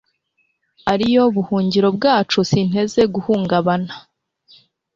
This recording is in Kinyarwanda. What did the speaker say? ariyo buhungiro bwacu, sinteze guhungabana